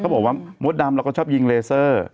บอกว่ามดดำเราก็ชอบยิงเลเซอร์